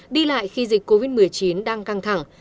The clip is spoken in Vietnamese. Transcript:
đi lại khi dịch covid một mươi chín đang căng thẳng